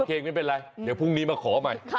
เคไม่เป็นไรเดี๋ยวพรุ่งนี้มาขอใหม่